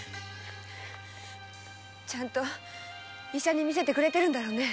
ちゃんと医者に診せてくれてんだろうね？